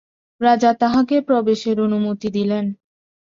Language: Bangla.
রাজা তাহাকে প্রবেশের অনুমতি দিলেন।